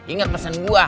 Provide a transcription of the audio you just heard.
ingat pesen gua